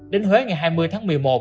đến huế ngày hai mươi tháng một mươi một